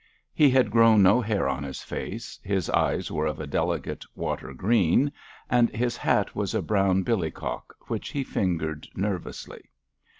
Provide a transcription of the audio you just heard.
He had grown no hair on his face; his eyes were of a delicate water green, and his hat was a brown billycock, which he fingered nervously.